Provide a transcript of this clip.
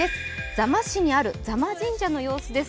座間市にある座間神社の様子です